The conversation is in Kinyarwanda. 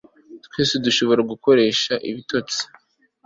Twese dushobora gukoresha ibitotsi